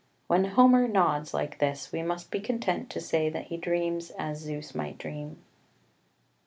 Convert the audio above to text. When Homer nods like this, we must be content to say that he dreams as Zeus might dream.